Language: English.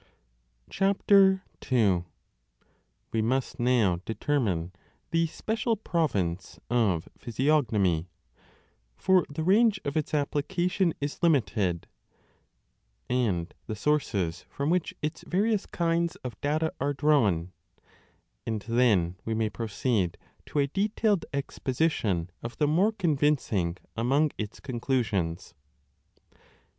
WE must now determine the special province of physio 2 20 gnomy (for the range of its application is limited), and the sources from which its various kinds of data are drawn, and then we may proceed to a detailed exposition of the more convincing among its conclusions.